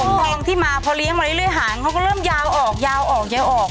ทองที่มาพอเลี้ยงมาเรื่อยหางเขาก็เริ่มยาวออกยาวออกยาวออก